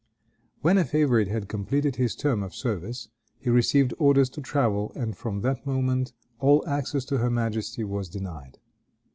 When a favorite had completed his term of service he received orders to travel, and from that moment all access to her majesty was denied.